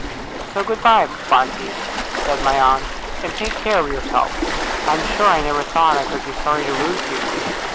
'So good bye, Barkis,' said my aunt, 'and take care of yourself! I am sure I never thought I could be sorry to lose you!